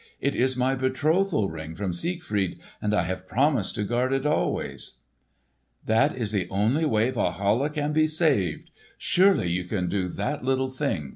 "It is my betrothal ring from Siegfried, and I have promised to guard it always!" "That is the only way Walhalla can be saved! Surely you can do that little thing!"